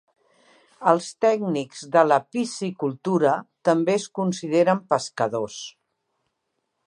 Els tècnics de la piscicultura també es consideren pescadors.